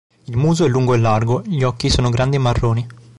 Il muso è lungo e largo, gli occhi sono grandi e marroni.